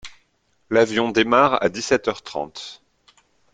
L’avion démarre à dix-sept heures trente.